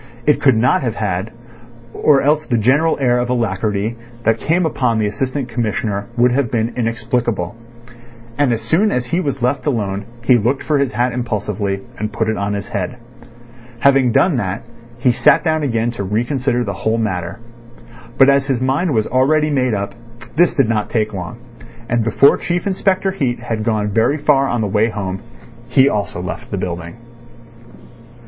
It could not have had, or else the general air of alacrity that came upon the Assistant Commissioner would have been inexplicable. As soon as he was left alone he looked for his hat impulsively, and put it on his head. Having done that, he sat down again to reconsider the whole matter. But as his mind was already made up, this did not take long. And before Chief Inspector Heat had gone very far on the way home, he also left the building.